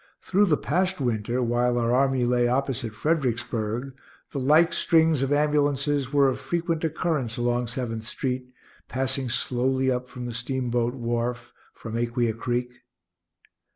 Through the past winter, while our army lay opposite Fredericksburg, the like strings of ambulances were of frequent occurrence along Seventh street, passing slowly up from the steam boat wharf, from Aquia creek.